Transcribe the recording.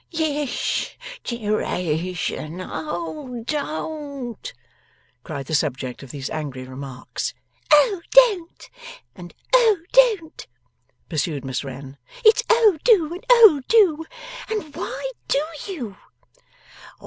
'Yes. Deration, oh don't!' cried the subject of these angry remarks. 'Oh don't and oh don't,' pursued Miss Wren. 'It's oh do and oh do. And why do you?